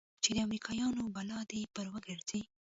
چې د امريکايانو بلا دې پر وګرځي.